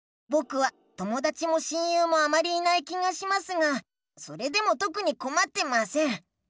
ぼくはともだちも親友もあまりいない気がしますがそれでもとくにこまってません。